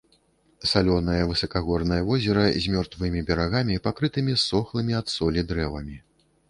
Салёнае высакагорнае возера з мёртвымі берагамі, пакрытымі ссохлымі ад солі дрэвамі.